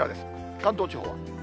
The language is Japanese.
関東地方。